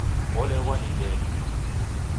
Oleghwa ni nd'e